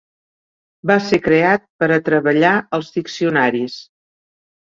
Va ser creat per a treballar els diccionaris.